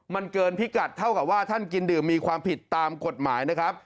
มันเกินพิกัดเท่ากับว่าท่านกินดื่มมีความผิดตามกฎหมายนะครับ